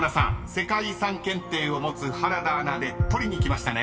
世界遺産検定を持つ原田アナで取りにきましたね］